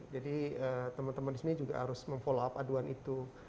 jadi teman teman di sini juga harus memfollow up aduan itu